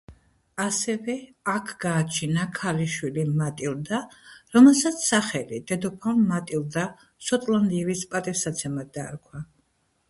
ასევე აქ გააჩინა ქალიშვილი მატილდა, რომელსაც სახელი დედოფალ მატილდა შოტლანდიელის პატივსაცემად დაარქვა.